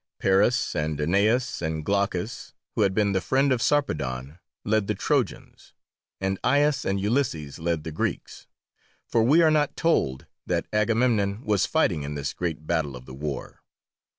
Paris, and Aeneas, and Glaucus, who had been the friend of Sarpedon, led the Trojans, and Aias and Ulysses led the Greeks, for we are not told that Agamemnon was fighting in this great battle of the war.